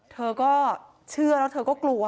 เธอก็เชื่อแล้วเธอก็กลัว